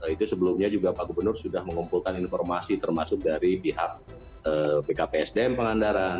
itu sebelumnya juga pak gubernur sudah mengumpulkan informasi termasuk dari pihak bkpsdm pangandaran